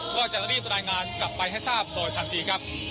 ก็จะรีบรายงานกลับไปให้ทราบโดยทันทีครับ